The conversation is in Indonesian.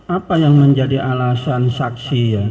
apa yang menjadi alasan saksi ya